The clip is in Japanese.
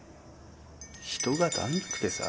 人が足んなくてさ